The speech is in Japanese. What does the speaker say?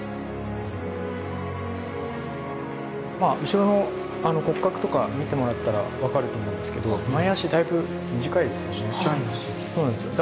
後ろの骨格とか見てもらったら分かると思うんですけどちっちゃいんですよ。